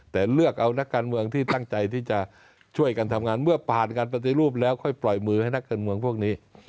แต่เลือกเอานักการเมืองที่ตั้งใจที่จะช่วยกันทำงานเมื่อผ่านการปฏิรูปแล้วค่อยปล่อยมือให้นักการเมืองพวกนี้